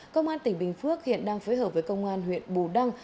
công an tỉnh bình phước hiện đang phối hợp với công an huyện bù đăng